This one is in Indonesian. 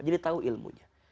jadi tahu ilmunya